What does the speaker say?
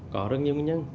có rất nhiều nguyên nhân